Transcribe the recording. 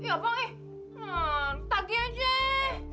iya bang eh nah tagih aja